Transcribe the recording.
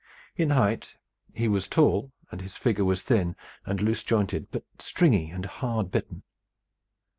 In height he was tall, and his figure was thin and loose jointed, but stringy and hard bitten.